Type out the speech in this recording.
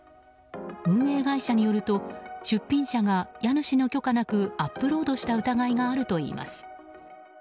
運営会社によると出品者が家主の許可なくアップロードした疑いがあるといいます。